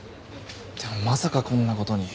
でもまさかこんな事に。